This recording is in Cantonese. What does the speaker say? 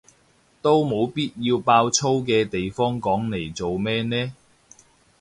都冇必要爆粗嘅地方講嚟做咩呢？